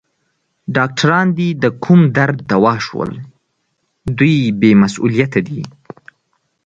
ډاکټران دي د کوم درد دوا شول؟ دوی بې مسؤلیته دي.